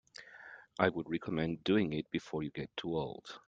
I would recommend doing it before you get too old.